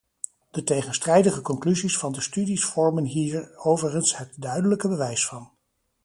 De tegenstrijdige conclusies van de studies vormen hier overigens het duidelijke bewijs van.